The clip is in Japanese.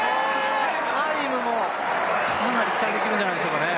これはタイムもかなり期待できるんじゃないでしょうかね。